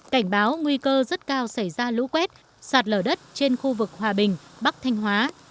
cảnh báo nguy cơ rất cao xảy ra lũ quét sạt lở đất trên khu vực hòa bình bắc thanh hóa